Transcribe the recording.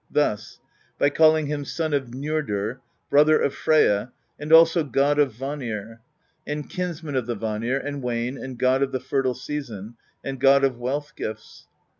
Thus: by calling him Son of Njordr, Brother of Freyja, and also God of Vanir, and Kinsman of the Vanir, and Wane, and God of the Fertile Season, and God of Wealth Gifts.